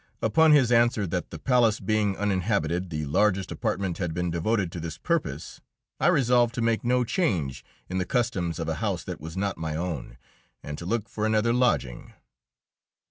Upon his answer that, the palace being uninhabited, the largest apartment had been devoted to this purpose, I resolved to make no change in the customs of a house that was not my own, and to look for another lodging.